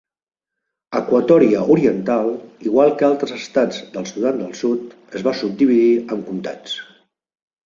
Equatòria Oriental, igual que altres estats del Sudan del Sud, es va subdividir en comtats.